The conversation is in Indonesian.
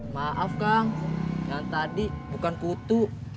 maaf kang yang tadi bukan kutu